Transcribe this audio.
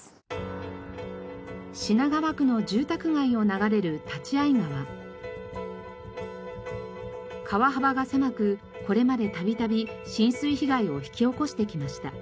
品川区の住宅街を流れる川幅が狭くこれまで度々浸水被害を引き起こしてきました。